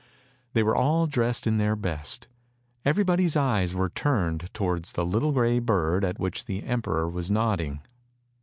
They were all dressed in their best ; everybody's eyes were turned towards the little grey bird THE NIGHTINGALE 131 at which the emperor was nodding.